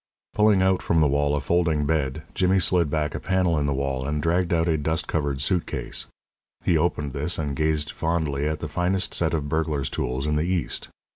Pulling out from the wall a folding bed, Jimmy slid back a panel in the wall and dragged out a dust covered suit case. He opened this and gazed fondly at the finest set of burglar's tools in the East.